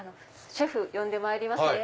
シェフ呼んでまいります